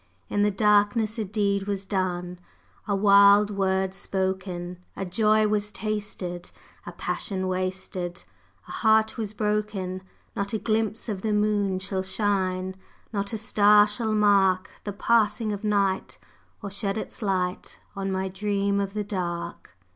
In the darkness a deed was done, A wild word spoken! A joy was tasted, a passion wasted, A heart was broken! Not a glimpse of the moon shall shine, Not a star shall mark The passing of night, or shed its light On my Dream of the Dark!